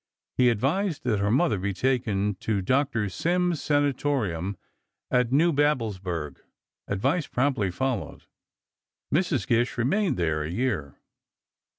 He advised that her mother be taken to Doctor Sinn's Sanatorium at Neubabelsburg, advice promptly followed. Mrs. Gish remained there a year.